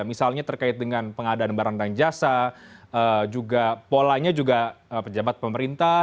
misalnya terkait dengan pengadaan barang dan jasa polanya juga pejabat pemerintah